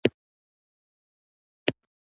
د کور حال مې وپوښت.